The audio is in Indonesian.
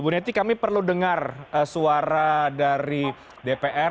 bu neti kami perlu dengar suara dari dpr